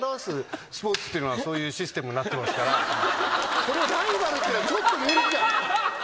スポーツっていうのはそういうシステムになってますからそれをライバルっていうのはちょっと。